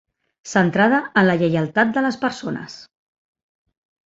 Centrada en la lleialtat de les persones